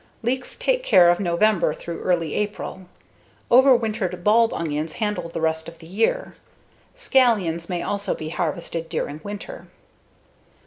Leeks take care of November through early April. Overwintered bulb onions handle the rest of the year. Scallions may also be harvested during winter.